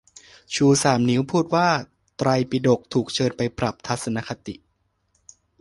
ชูสามนิ้ว พูดว่า "ไตรปิฎก" ถูกเชิญไปปรับทัศนคติ